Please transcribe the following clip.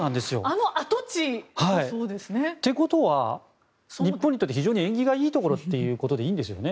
あの跡地だそうですね。ということは日本にとって非常に縁起がいいところということでいいんですよね。